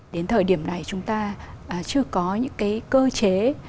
đến thời điểm này chúng ta chưa có những cái cơ chế